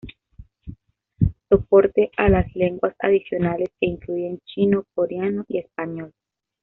Soporte a las lenguas adicionales que incluyen chino, coreano, y español.